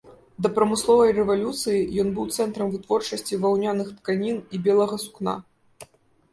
Да прамысловай рэвалюцыі ён быў цэнтрам вытворчасці ваўняных тканін і белага сукна.